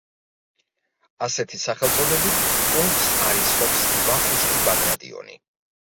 ასეთი სახელწოდებით პუნქტს არ იცნობს ვახუშტი ბაგრატიონი.